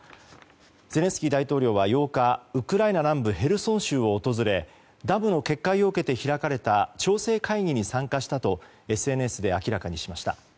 ゼレンスキー大統領は８日ウクライナ南部ヘルソン州を訪れダムの決壊を受けて開かれた調整会議に参加したとＳＮＳで明らかにしました。